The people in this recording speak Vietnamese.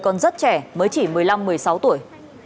còn rất trẻ mới chỉ một mươi năm một mươi sáu tuổi